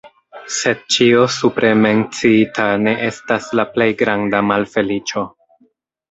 Sed ĉio supre menciita ne estas la plej granda malfeliĉo.